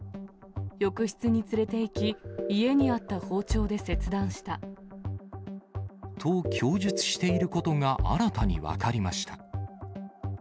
浴室に連れていき、と、供述していることが新たに分かりました。